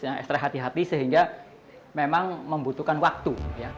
yang ekstra hati hati sehingga memang membutuhkan waktu